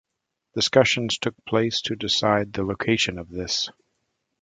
Discussions took place to decide the location of this.